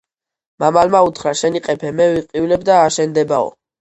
მამალმა უთხრა: შენ იყეფე, მე ვიყივლებ და აშენდებაო.